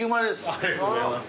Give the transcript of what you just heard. ありがとうございます。